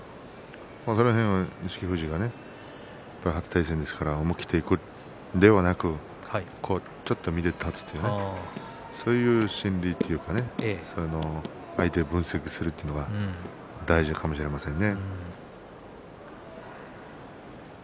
その辺は錦富士がやっぱり初対戦ですから思い切っていくのではなくちょっと見て立つというそういう心理というか相手を分析するというのは大事かもしれませんね。